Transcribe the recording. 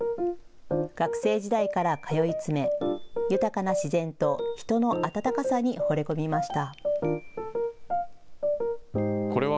学生時代から通い詰め豊かな自然と人の温かさにほれ込みました。